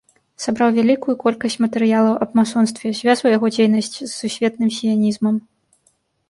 Сабраў вялікую колькасць матэрыялаў аб масонстве, звязваў яго дзейнасць з сусветным сіянізмам.